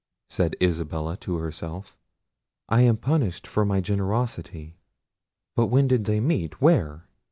said Isabella to herself; "I am punished for my generosity; but when did they meet? where?